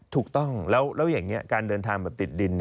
ถูกต้องแล้วอย่างนี้การเดินทางแบบติดดิน